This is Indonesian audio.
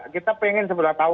kita pengen sebenarnya tahu